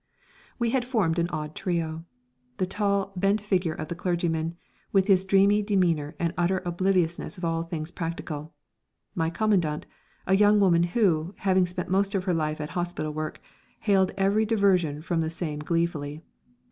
We had formed an odd trio. The tall, bent figure of the clergyman, with his dreamy demeanour and utter obliviousness of all things practical; my commandant, a young woman who, having spent most of her life at hospital work, hailed every diversion from the same gleefully.